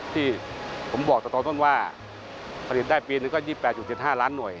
ที่ผมบอกแต่ตอนต้นว่าผลิตได้ปีหนึ่งก็๒๘๗๕ล้านหน่วย